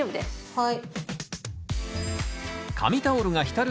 はい。